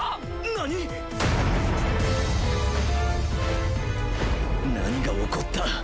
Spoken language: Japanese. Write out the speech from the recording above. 何⁉何が起こった？